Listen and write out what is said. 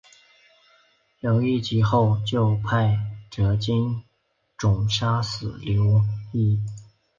刘粲及后就派靳准杀死刘乂。